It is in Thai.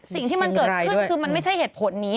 สิ่งที่มันเกิดขึ้นคือมันไม่ใช่เหตุผลนี้